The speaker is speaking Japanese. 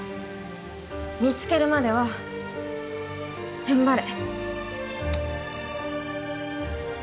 見つけるまではふんばれ